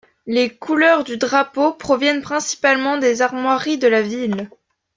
Les couleurs du drapeau proviennent principalement des armoiries de la ville.